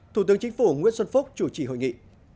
thủ tướng chính phủ nguyễn xuân phúc chủ trì hội nghị